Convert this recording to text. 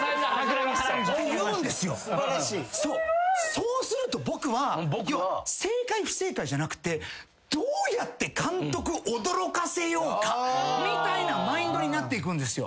そうすると僕は正解不正解じゃなくてどうやって監督を驚かせようかみたいなマインドになっていくんですよ。